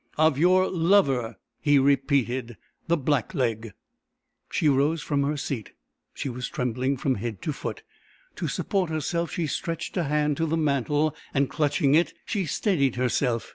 "Of your lover," he repeated; "the blackleg." She rose from her seat. She was trembling from head to foot. To support herself she stretched a hand to the mantel and clutching it, she steadied herself.